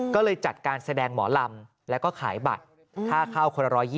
ก็เลยจัดการแสดงหมอลำแล้วก็ขายบัตรค่าเข้าคนละ๑๒๐